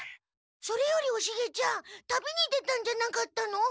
それよりおシゲちゃん旅に出たんじゃなかったの？